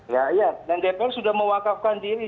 ya iya dan dpr sudah mewakafkan diri